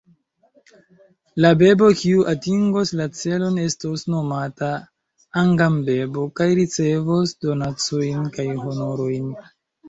La bebo, kiu atingos la celon estos nomata "Angam-bebo" kaj ricevos donacojn kaj honorojn.